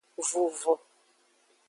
Vuvo.